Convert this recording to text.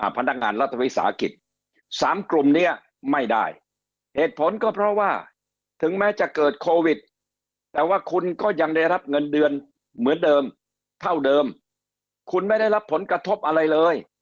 พนักงานรัฐวิสาหกิจ๓กลุ่มนี้ไม่ได้เหตุผลก็เพราะว่าถึงแม้จะเกิดโควิดแต่ว่าคุณก็ยังได้รับเงินเดือนเหมือนเดิมเท่าเดิมคุณไม่ได้รับผลกระทบอะไรเลย